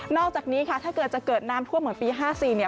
อกจากนี้ค่ะถ้าเกิดจะเกิดน้ำท่วมเหมือนปี๕๔เนี่ย